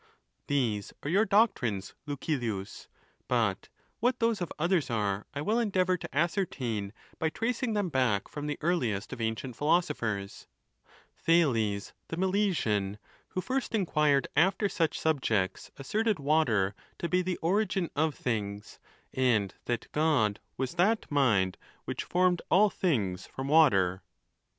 These are your doctrines, Lucilius ; but what those of others are I will endeavor to ascertain by tracing them baqk from the earliest of ancient jihilosophers. Thales THE NATURE OF THE GODS. 219 the Milesian, who first inquired after such subjects, assert ed water to be the origin of things, and that God was that mind which formed all things from water.